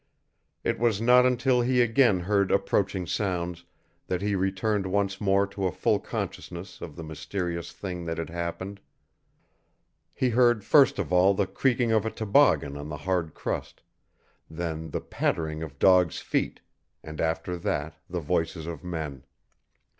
It was not until he again heard approaching sounds that he returned once more to a full consciousness of the mysterious thing that had happened. He heard first of all the creaking of a toboggan on the hard crust, then the pattering of dogs' feet, and after that the voices of men.